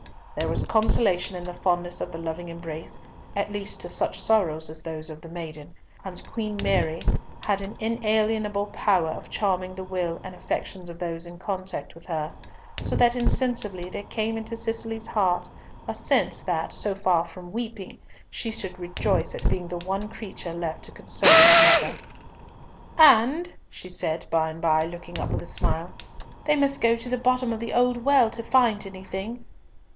There was consolation in the fondness of the loving embrace, at least to such sorrows as those of the maiden; and Queen Mary had an inalienable power of charming the will and affections of those in contact with her, so that insensibly there came into Cicely's heart a sense that, so far from weeping, she should rejoice at being the one creature left to console her mother. "And," she said by and by, looking up with a smile, "they must go to the bottom of the old well to find anything."